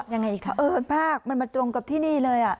ยังไงค่ะมันตรงกับที่นี่เลย